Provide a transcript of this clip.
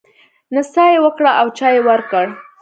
نڅا يې وکړه او چای يې ورکړ.